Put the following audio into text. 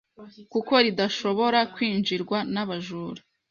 kuko ridashobora kwinjirwa n’abajura